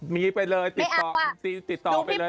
มีไปเลยติดต่ออินซีติดต่อไปเลย